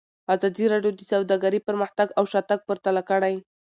ازادي راډیو د سوداګري پرمختګ او شاتګ پرتله کړی.